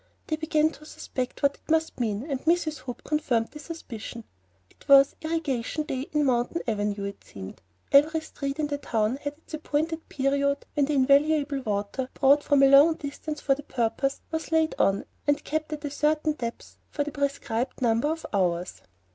They began to suspect what it must mean, and Mrs. Hope confirmed the suspicion. It was irrigation day in Mountain Avenue, it seemed. Every street in the town had its appointed period when the invaluable water, brought from a long distance for the purpose, was "laid on" and kept at a certain depth for a prescribed number of hours.